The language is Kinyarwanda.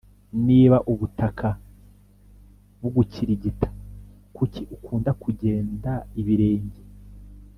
Niba ubutaka bugukirigita kuki ukunda kugenda ibirenge